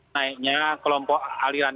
naiknya kelompok aliran